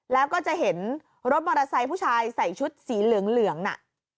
แล้วก็จะเห็นรถมอเตอร์ไซค์ผู้ชายใส่ชุดสีเหลืองน่ะ